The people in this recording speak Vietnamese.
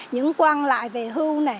những quan lại về hưu